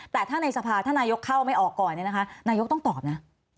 แต่ถ้าในสภาถ้านายกเข้าไม่ออกก่อนเนี่ยนะคะนายกต้องตอบนะ